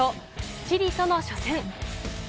チリとの初戦。